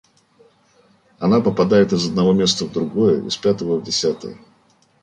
Она попадает из одного места в другое, из пятого в десятое